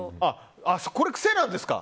これ、癖なんですか？